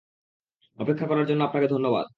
অপেক্ষা করার জন্য আপনাকে ধন্যবাদ।